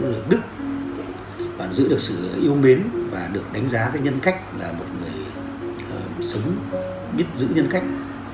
được đức bạn giữ được sự yêu mến và được đánh giá với nhân cách là một người sống biết giữ nhân cách